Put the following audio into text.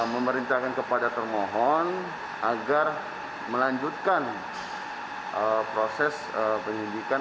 memerintahkan kepada termohon agar melanjutkan proses penyidikan